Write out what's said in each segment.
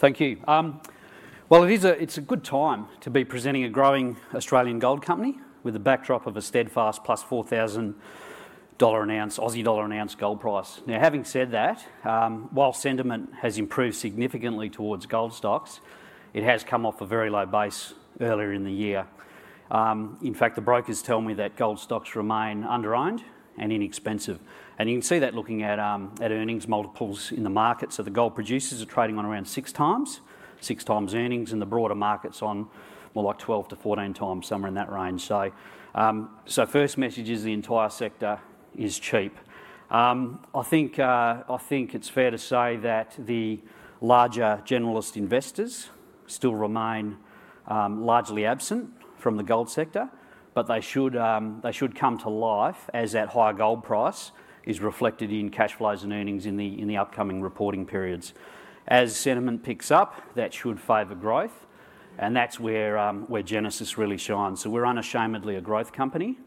Thank you. It's a good time to be presenting a growing Australian gold company with the backdrop of a steadfast +4,000 dollar an ounce, Aussie dollar an ounce gold price. Now, having said that, while sentiment has improved significantly towards gold stocks, it has come off a very low base earlier in the year. In fact, the brokers tell me that gold stocks remain under-owned and inexpensive, and you can see that looking at earnings multiples in the market, so the gold producers are trading on around 6x, 6x earnings, and the broader markets on more like 12x-14x, somewhere in that range, so first message is the entire sector is cheap. I think it's fair to say that the larger generalist investors still remain largely absent from the gold sector, but they should come to life as that higher gold price is reflected in cash flows and earnings in the upcoming reporting periods. As sentiment picks up, that should favor growth, and that's where Genesis really shines. We're unashamedly a growth company,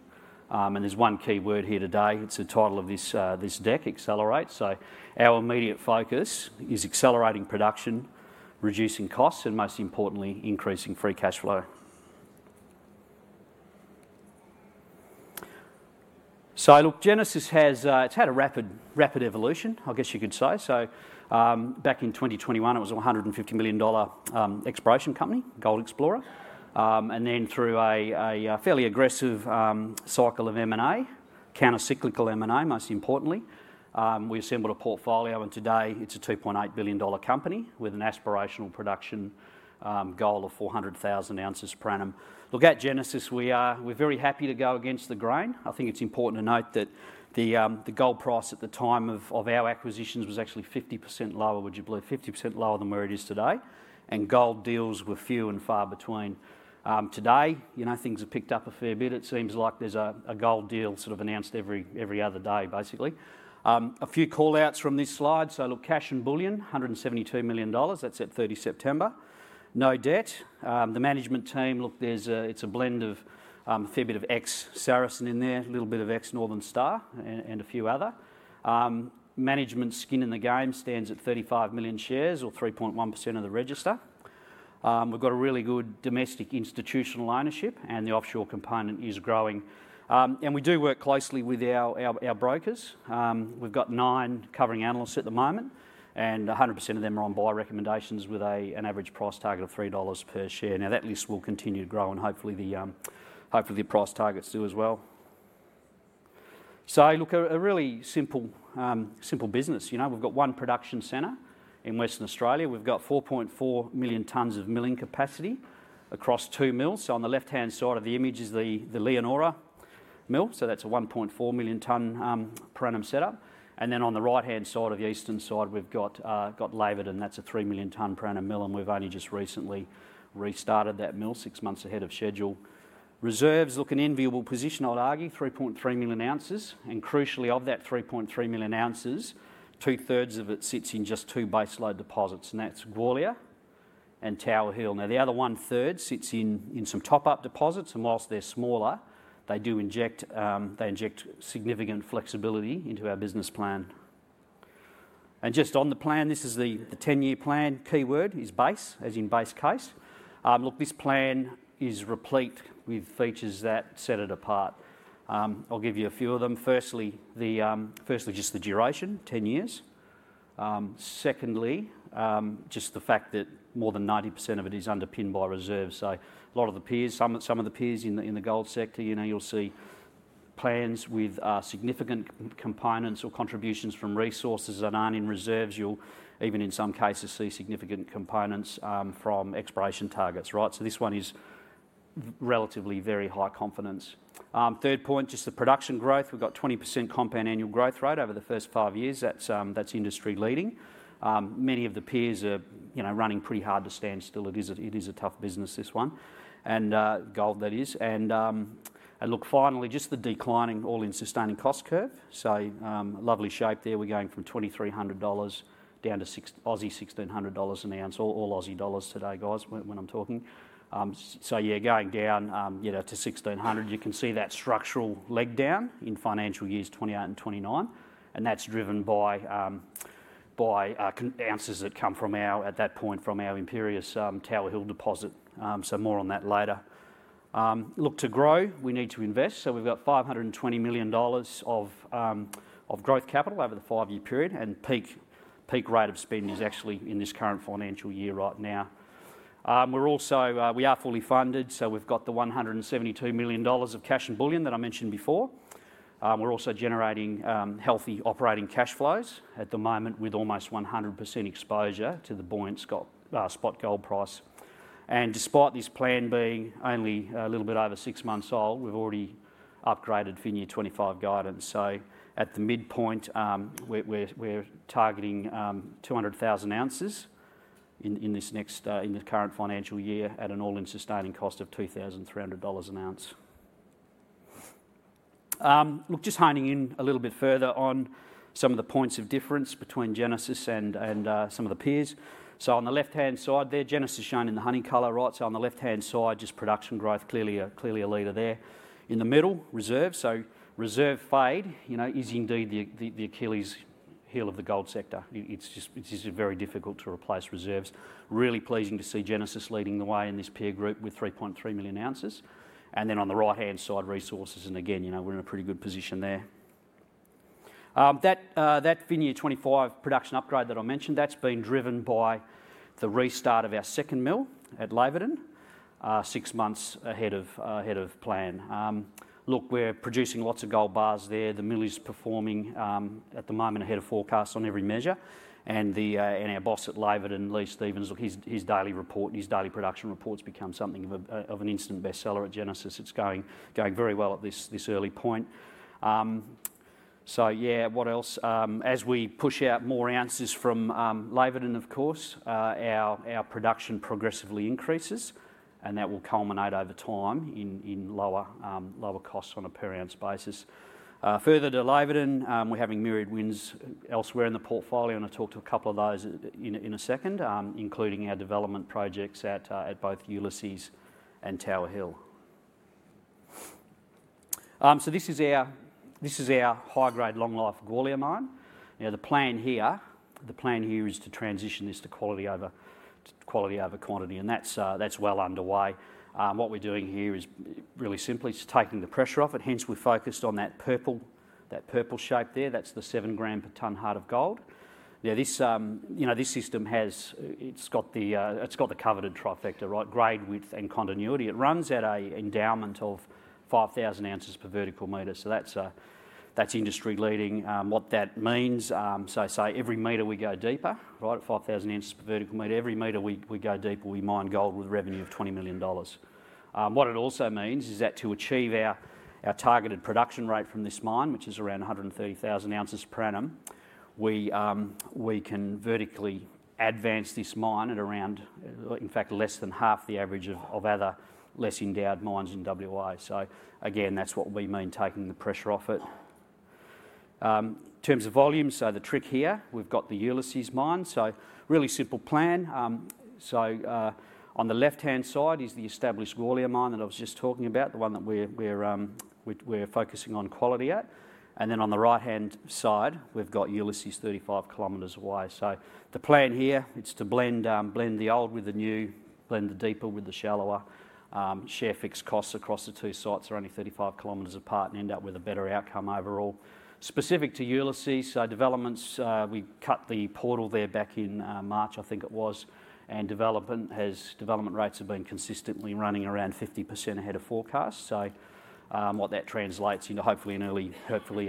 and there's one key word here today. It's the title of this deck, Accelerate. Our immediate focus is accelerating production, reducing costs, and most importantly, increasing free cash flow. Look, Genesis has had a rapid evolution, I guess you could say. Back in 2021, it was a 150 million dollar exploration company, gold explorer. And then through a fairly aggressive cycle of M&A, countercyclical M&A, most importantly, we assembled a portfolio, and today it's a 2.8 billion dollar company with an aspirational production goal of 400,000 oz per annum. Look at Genesis. We're very happy to go against the grain. I think it's important to note that the gold price at the time of our acquisitions was actually 50% lower, would you believe, 50% lower than where it is today. And gold deals were few and far between. Today, things have picked up a fair bit. It seems like there's a gold deal sort of announced every other day, basically. A few callouts from this slide. So look, cash and bullion, 172 million dollars. That's at 30 September. No debt. The management team, look, it's a blend of a fair bit of ex-Saracen in there, a little bit of ex-Saracen and a few other. Management skin in the game stands at 35 million shares or 3.1% of the register. We've got a really good domestic institutional ownership, and the offshore component is growing, and we do work closely with our brokers. We've got nine covering analysts at the moment, and 100% of them are on buy recommendations with an average price target of 3 dollars per share. Now, that list will continue to grow, and hopefully the price targets do as well. Look, a really simple business. We've got one production center in Western Australia. We've got 4.4 million tonnes of milling capacity across two mills. On the left-hand side of the image is the Leonora mill. That's a 1.4 million tonne per annum setup. Then on the right-hand side of the eastern side, we've got Laverton, and that's a three million tonne per annum mill, and we've only just recently restarted that mill six months ahead of schedule. Reserves look an enviable position, I'd argue, 3.3 million oz. And crucially of that 3.3 million oz, two-thirds of it sits in just two base load deposits, and that's Gwalia and Tower Hill. Now, the other one-third sits in some top-up deposits, and whilst they're smaller, they inject significant flexibility into our business plan. And just on the plan, this is the 10-year plan, keyword is base, as in base case. Look, this plan is replete with features that set it apart. I'll give you a few of them. Firstly, just the duration, 10 years. Secondly, just the fact that more than 90% of it is underpinned by reserves. So a lot of the peers, some of the peers in the gold sector, you'll see plans with significant components or contributions from resources that aren't in reserves. You'll even in some cases see significant components from exploration targets. So this one is relatively very high confidence. Third point, just the production growth. We've got 20% compound annual growth rate over the first five years. That's industry-leading. Many of the peers are running pretty hard to stand still. It is a tough business, this one, and gold, that is. And look, finally, just the declining all-in sustaining cost curve. So lovely shape there. We're going from 2,300 dollars down to 1,600 Aussie dollars an ounce. All Aussie dollars today, guys, when I'm talking. So yeah, going down to 1,600. You can see that structural leg down in financial years 2028 and 2029, and that's driven by ounces that come from our, at that point, from our imperious Tower Hill deposit. So more on that later. Looking to grow. We need to invest. So we've got 520 million dollars of growth capital over the five-year period, and peak rate of spending is actually in this current financial year right now. We are fully funded, so we've got the 172 million dollars of cash and bullion that I mentioned before. We're also generating healthy operating cash flows at the moment with almost 100% exposure to the buoyant spot gold price. And despite this plan being only a little bit over six months old, we've already upgraded FY 2025 guidance. So at the midpoint, we're targeting 200,000 oz in this current financial year at an all-in sustaining cost of 2,300 dollars an ounce. Look, just honing in a little bit further on some of the points of difference between Genesis and some of the peers. So on the left-hand side there, Genesis shown in the honey color, right? So on the left-hand side, just production growth, clearly a leader there. In the middle, reserves. So reserve fade is indeed the Achilles heel of the gold sector. It's just very difficult to replace reserves. Really pleasing to see Genesis leading the way in this peer group with 3.3 million oz. And then on the right-hand side, resources. And again, we're in a pretty good position there. That FY 2025 production upgrade that I mentioned, that's been driven by the restart of our second mill at Laverton, six months ahead of plan. Look, we're producing lots of gold bars there. The mill is performing at the moment ahead of forecasts on every measure. Our boss at Laverton, Lee Stephens, look, his daily report and his daily production reports become something of an instant bestseller at Genesis. It's going very well at this early point. So yeah, what else? As we push out more ounces from Laverton, of course, our production progressively increases, and that will culminate over time in lower costs on a per ounce basis. Further to Laverton, we're having mirrored wins elsewhere in the portfolio, and I'll talk to a couple of those in a second, including our development projects at both Ulysses and Tower Hill. So this is our high-grade, long-life Gwalia mine. The plan here is to transition this to quality over quantity, and that's well underway. What we're doing here is really simply taking the pressure off it. Hence, we're focused on that purple shape there. That's the seven gram per tonne head grade of gold. This system has got the coveted trifecta, right? Grade, width, and continuity. It runs at an endowment of 5,000 oz per vertical meter. So that's industry leading. What that means, so every meter we go deeper, right? 5,000 oz per vertical meter. Every meter we go deeper, we mine gold with a revenue of 20 million dollars. What it also means is that to achieve our targeted production rate from this mine, which is around 130,000 oz per annum, we can vertically advance this mine at around, in fact, less than half the average of other less endowed mines in WA. So again, that's what we mean, taking the pressure off it. In terms of volume, so the trick here, we've got the Ulysses mine. So really simple plan. On the left-hand side is the established Gwalia mine that I was just talking about, the one that we're focusing on quality at. And then on the right-hand side, we've got Ulysses 35 km away. The plan here is to blend the old with the new, blend the deeper with the shallower. Share fixed costs across the two sites, which are only 35 km apart, and end up with a better outcome overall. Specific to Ulysses, developments: we cut the portal there back in March, I think it was, and development rates have been consistently running around 50% ahead of forecasts. What that translates into, hopefully, is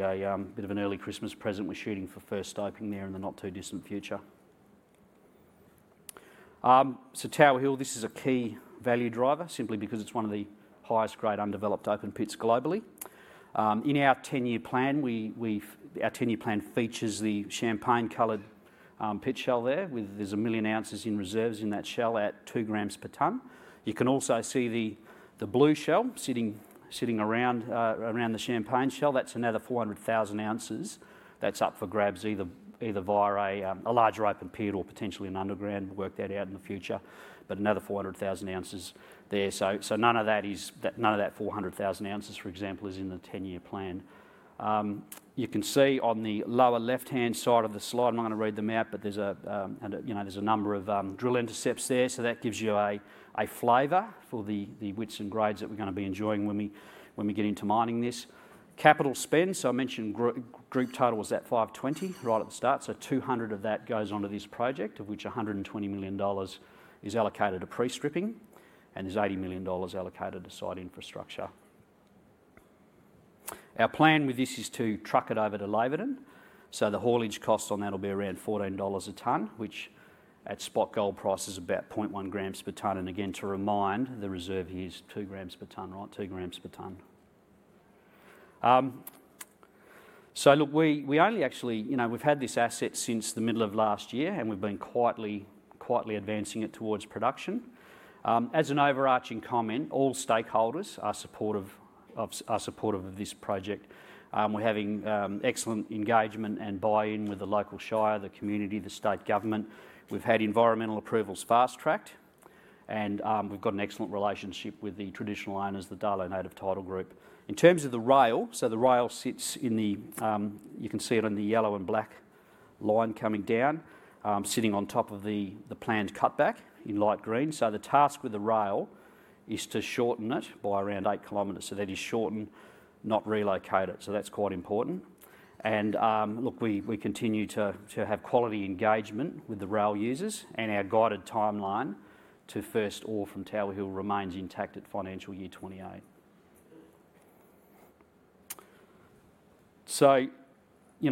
a bit of an early Christmas present. We're shooting for first opening there in the not too distant future. Tower Hill is a key value driver, simply because it's one of the highest grade undeveloped open pits globally. In our 10-year plan, our 10-year plan features the champagne colored pit shell there. There's a million ounces in reserves in that shell at two grams per tonne. You can also see the blue shell sitting around the champagne shell. That's another 400,000 oz. That's up for grabs either via a larger open pit or potentially an underground, work that out in the future, but another 400,000 oz there. So none of that, none of that 400,000 oz, for example, is in the 10-year plan. You can see on the lower left-hand side of the slide, I'm not going to read them out, but there's a number of drill intercepts there. So that gives you a flavor for the widths and grades that we're going to be enjoying when we get into mining this. Capital spend, so I mentioned group total was at 520 right at the start. So 200 million of that goes onto this project, of which 120 million dollars is allocated to pre-stripping and there's 80 million dollars allocated to site infrastructure. Our plan with this is to truck it over to Laverton. So the haulage cost on that will be around $14 a tonne, which at spot gold price is about 0.1 grams per tonne. And again, to remind, the reserve here is two grams per tonne, right? Two grams per tonne. So look, we only actually, we've had this asset since the middle of last year, and we've been quietly advancing it towards production. As an overarching comment, all stakeholders are supportive of this project. We're having excellent engagement and buy-in with the local shire, the community, the state government. We've had environmental approvals fast-tracked, and we've got an excellent relationship with the traditional owners, the Darlot Native Title Group. In terms of the rail, so the rail sits in the. You can see it on the yellow and black line coming down, sitting on top of the planned cutback in light green. So the task with the rail is to shorten it by around eight kilometers. So that is shorten, not relocate it. So that's quite important. And look, we continue to have quality engagement with the rail users, and our guided timeline to first ore from Tower Hill remains intact at financial year 2028. So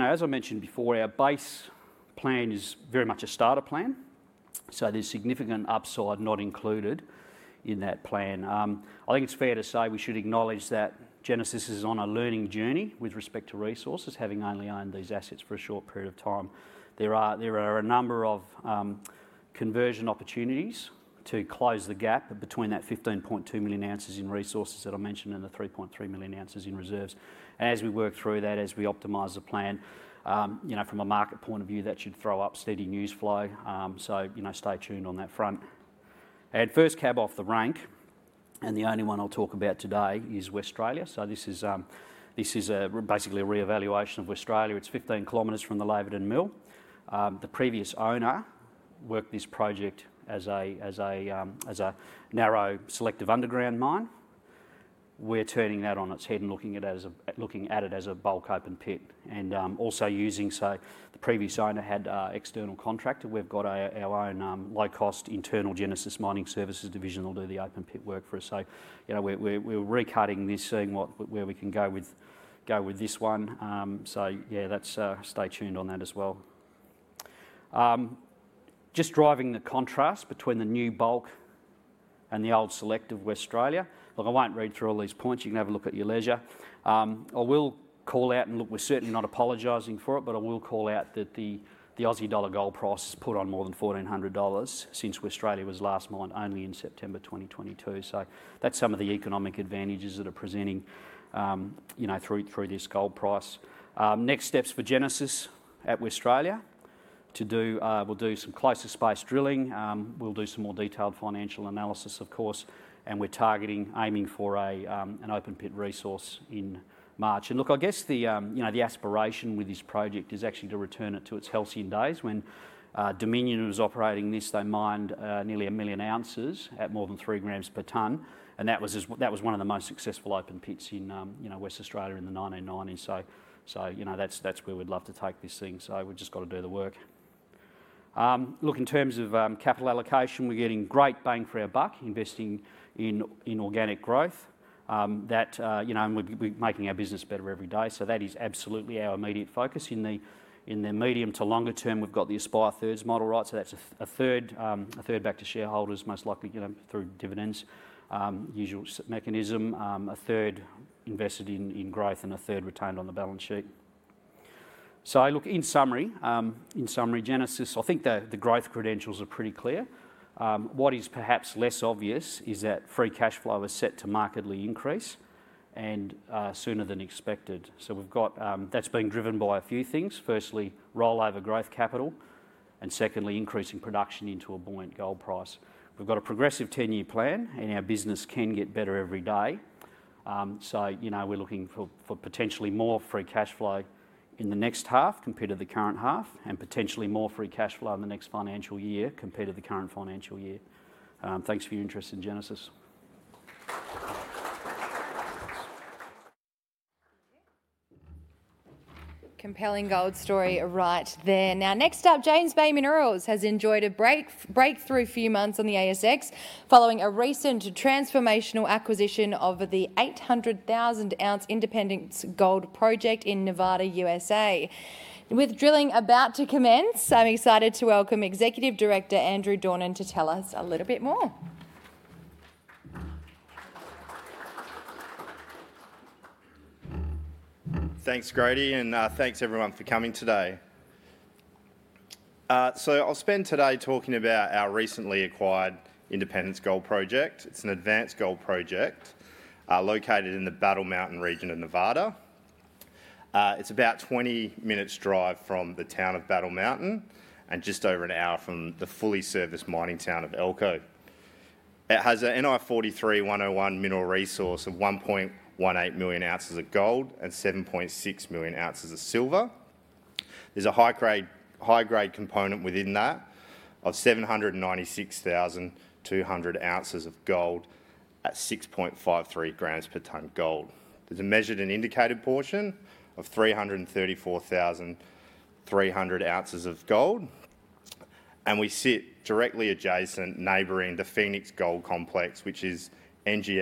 as I mentioned before, our base plan is very much a starter plan. So there's significant upside not included in that plan. I think it's fair to say we should acknowledge that Genesis is on a learning journey with respect to resources, having only owned these assets for a short period of time. There are a number of conversion opportunities to close the gap between that 15.2 million oz in resources that I mentioned and the 3.3 million oz in reserves. As we work through that, as we optimize the plan, from a market point of view, that should throw up steady news flow. So stay tuned on that front. And first cab off the rank, and the only one I'll talk about today is Westralia. So this is basically a re-evaluation of Westralia. It's 15 km from the Laverton mill. The previous owner worked this project as a narrow selective underground mine. We're turning that on its head and looking at it as a bulk open pit. And also using, so the previous owner had an external contractor. We've got our own low-cost internal Genesis Mining Services division that'll do the open pit work for us. So we're recutting this, seeing where we can go with this one. So yeah, stay tuned on that as well. Just driving the contrast between the new bulk and the old selective Westralia. Look, I won't read through all these points. You can have a look at your leisure. I will call out, and look, we're certainly not apologising for it, but I will call out that the Aussie dollar gold price has put on more than 1,400 dollars since Westralia was last mined only in September 2022. So that's some of the economic advantages that are presenting through this gold price. Next steps for Genesis at Westralia. We'll do some closer space drilling. We'll do some more detailed financial analysis, of course, and we're targeting, aiming for an open pit resource in March. Look, I guess the aspiration with this project is actually to return it to its healthy days when Dominion was operating this. They mined nearly a million ounces at more than three grams per tonne, and that was one of the most successful open pits in Westralia in the 1990s. That's where we'd love to take this thing. We've just got to do the work. Look, in terms of capital allocation, we're getting great bang for our buck investing in organic growth. And we're making our business better every day. That is absolutely our immediate focus. In the medium to longer term, we've got the Aspire Thirds model, right? That's a third back to shareholders, most likely through dividends, usual mechanism. A third invested in growth and a third retained on the balance sheet. So look, in summary, Genesis, I think the growth credentials are pretty clear. What is perhaps less obvious is that free cash flow is set to markedly increase and sooner than expected. So that's been driven by a few things. Firstly, rollover growth capital, and secondly, increasing production into a buoyant gold price. We've got a progressive 10-year plan, and our business can get better every day. So we're looking for potentially more free cash flow in the next half compared to the current half, and potentially more free cash flow in the next financial year compared to the current financial year. Thanks for your interest in Genesis. Compelling gold story right there. Now, next up, James Bay Minerals has enjoyed a breakthrough few months on the ASX following a recent transformational acquisition of the 800,000 oz Independence Gold Project in Nevada, USA. With drilling about to commence, I'm excited to welcome Executive Director Andrew Dornan to tell us a little bit more. Thanks, Grady, and thanks everyone for coming today. I'll spend today talking about our recently acquired Independence Gold Project. It's an advanced gold project located in the Battle Mountain region of Nevada. It's about 20 minutes' drive from the town of Battle Mountain and just over an hour from the fully serviced mining town of Elko. It has an NI 43-101 mineral resource of 1.18 million oz of gold and 7.6 million oz of silver. There's a high-grade component within that of 796,200 oz of gold at 6.53 g per tonne gold. There's a Measured and Indicated portion of 334,300 oz of gold. We sit directly adjacent, neighboring the Phoenix Gold Complex, which is [NGA].